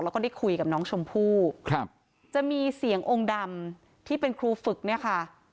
แล้วก็ได้คุยกับน้องชมพู่ครับจะมีเสียงองค์ดำที่เป็นครูฝึกเนี่ยค่ะ